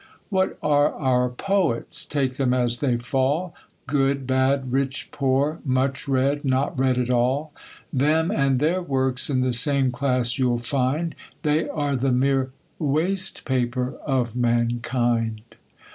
What are our poets, take them as they fall, Good, bad, rich, poor, much read, not read at all? Them and thf ir works in the same class you'll find ; They are the mere waste paper of mankind.